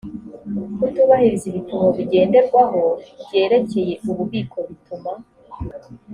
kutubahiriza ibipimo bigenderwaho byerekeye ububiko bituma